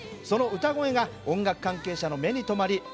その歌声が音楽関係者の目に留まり